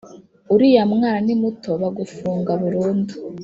Uriya mwana ni muto bagufunga burundu